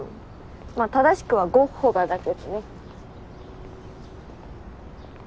まあ正しくはゴッホがだけどね。